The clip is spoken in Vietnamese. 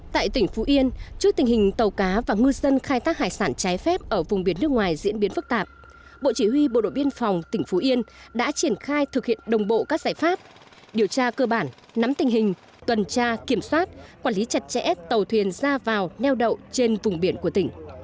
tại tỉnh phú yên trước tình hình tàu cá và ngư dân khai thác hải sản trái phép ở vùng biển nước ngoài diễn biến phức tạp bộ chỉ huy bộ đội biên phòng tỉnh phú yên đã triển khai thực hiện đồng bộ các giải pháp điều tra cơ bản nắm tình hình tuần tra kiểm soát quản lý chặt chẽ tàu thuyền ra vào neo đậu trên vùng biển của tỉnh